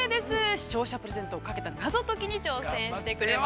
視聴者プレゼントをかけた、謎解きに挑戦してくれます。